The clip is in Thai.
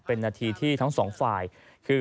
เป็นนาทีที่ทั้งสองฝ่ายคือ